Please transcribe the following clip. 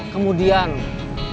kemudian ramai ramai ikut menghajar